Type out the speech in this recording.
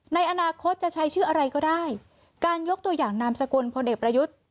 ในอนาคตจะใช้ชื่ออะไรก็ได้การยกตัวอย่างนามสกุลพลเอกประยุทธ์